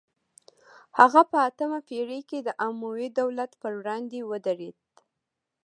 هغه په اتمه پیړۍ کې د اموي دولت پر وړاندې ودرید